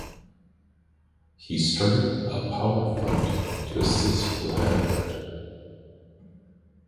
He started a "power fund" to assist with that effort.